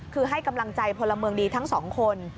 คือให้กำลังใจพลเมืองดีทั้งสองคน